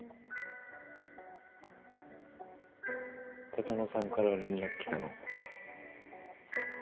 琴乃さんから連絡来たの？